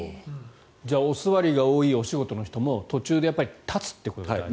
じゃあお座りが多いお仕事の人も途中で立つっていうことですね。